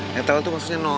netral itu maksudnya